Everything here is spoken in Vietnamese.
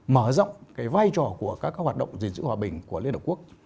mở rộng cái vai trò của các hoạt động diện sử hòa bình của liên hợp quốc